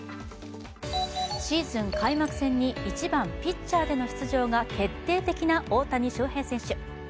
シーズン開幕戦に１番、ピッチャーでの出場が決定的な大谷選手。